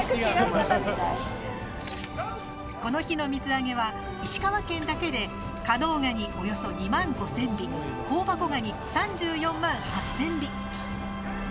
この日の水揚げは、石川県だけで加能ガニおよそ２万５０００尾香箱ガニ３４万８０００尾。